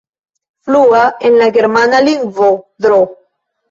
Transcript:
Flua en la germana lingvo, Dro.